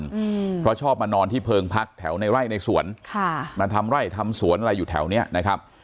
อืมเพราะชอบมานอนที่เพิงพักแถวในไร่ในสวนค่ะมาทำไร่ทำสวนอะไรอยู่แถวเนี้ยนะครับ